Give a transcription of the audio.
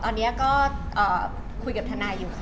ตอนนี้ก็คุยกับทนายอยู่ค่ะ